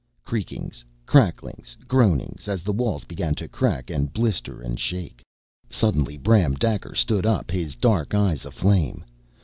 Creakings, cracklings, groanings, as the walls began to crack and blister and shake. Suddenly Bram Daker stood up, his dark eyes aflame.